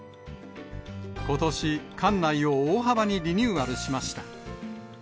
ことし、館内を大幅にリニューアルしました。